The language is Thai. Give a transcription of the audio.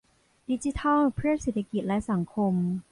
ดิจิทัลเพื่อเศรษฐกิจและสังคม